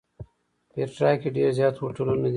پېټرا کې ډېر زیات هوټلونه دي.